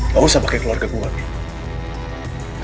lo usah pakai keluarga gue bi